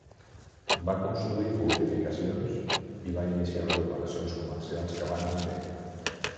Va construir fortificacions i va iniciar les operacions comercials que van anar bé.